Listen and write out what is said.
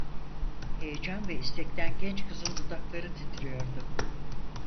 Heyecan ve istekten genç kızın dudakları titriyordu.